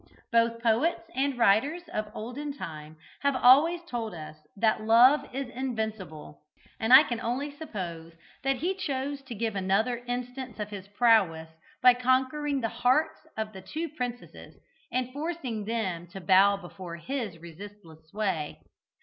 But poets and writers of olden time have always told us that Love is invincible, and I can only suppose that he chose to give another instance of his prowess by conquering the hearts of the two princesses, and forcing them to bow before his resistless sway.